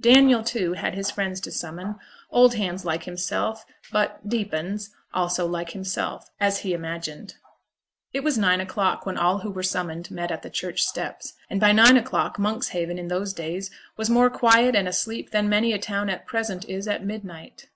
Daniel, too, had his friends to summon; old hands like himself, but 'deep uns', also, like himself, as he imagined. It was nine o'clock when all who were summoned met at the church steps; and by nine o'clock, Monkshaven, in those days, was more quiet and asleep than many a town at present is at midnight.